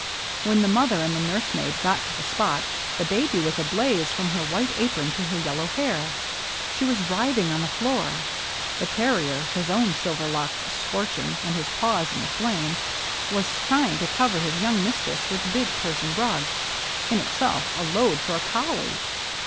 When the mother and the nursemaid got to the spot, the baby was ablaze from her white apron to her yeUow hair. She was writhing on the floor. The terrier, his own silver locks scorching, and his paws in the flame, was trying to cover his young mistress with the big Persian rug, in itself a load for a collie.